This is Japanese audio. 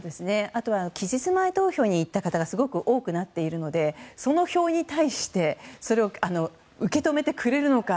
あとは期日前投票に行った方がすごく多くなっているのでその票に対してそれを受け止めてくれるのか。